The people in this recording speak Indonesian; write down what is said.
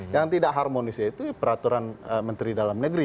yang tidak harmonisnya itu peraturan menteri dalam negeri